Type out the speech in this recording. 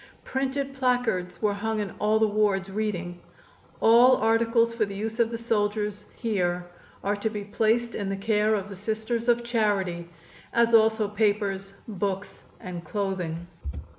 Printed placards were hung in all the wards, reading: "All articles for the use of the soldiers here are to be placed in the care of the Sisters of Charity, as also papers, books and clothing."